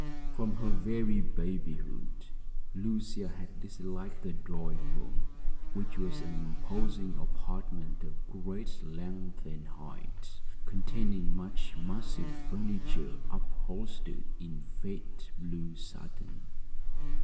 From her very babyhood Lucia had disliked the drawing room, which was an imposing apartment of great length and height, containing much massive furniture, upholstered in faded blue satin.